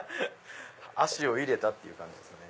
足を入れたっていう感じですね。